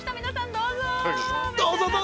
皆さん、どうぞ。